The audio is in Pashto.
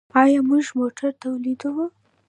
آیا موږ موټر تولیدوو؟